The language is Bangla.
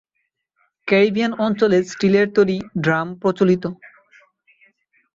ক্যারিবিয়ান অঞ্চলে স্টিলের তৈরি ড্রাম প্রচলিত।